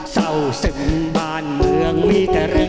เศร้าซึมบ้านเมืองมีแต่แรง